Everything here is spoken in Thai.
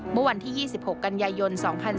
เมื่อวันที่๒๖กันยายน๒๔